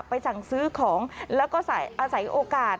สั่งซื้อของแล้วก็อาศัยโอกาส